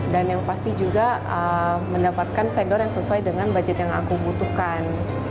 dan yang pasti juga mendapatkan vendor yang sesuai dengan budget yang aku butuhkan